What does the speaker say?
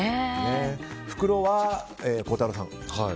袋は孝太郎さん。